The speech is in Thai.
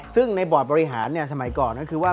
ซึ่งในบอร์ดปริหารเนี่ยสมัยก่อนคือว่า